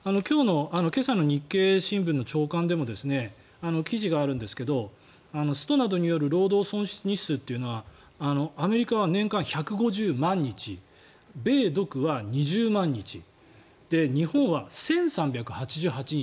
今朝の日経新聞の朝刊でも記事があるんですがストなどによる労働損失日数というのはアメリカは年間１５０万日米独は２０万日日本は１３８８日。